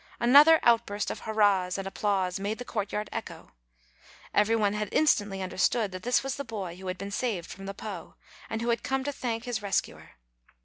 Another outburst of hurrahs and applause made the courtyard echo; every one had instantly understood that this was the boy who had been saved from the Po, and who had come to thank his rescuer.